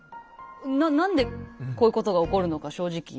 何でこういうことが起こるのか正直。